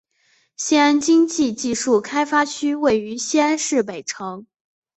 西安经济技术开发区位于西安市北城。